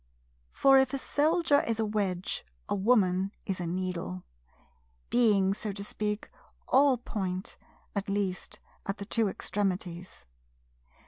For, if a Soldier is a wedge, a Woman is a needle; being, so to speak, all point, at least at the two extremities.